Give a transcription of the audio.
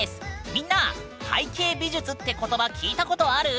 みんな「背景美術」って言葉聞いたことある？